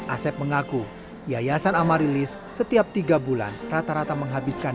asep mengaku yayasan amarilis setiap tiga bulan rata rata menghabiskan